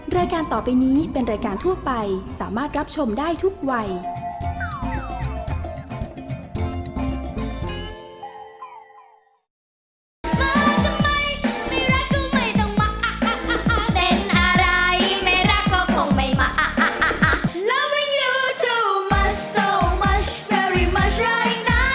รายการต่อไปนี้เป็นรายการทั่วไปสามารถรับชมได้ทุกวัย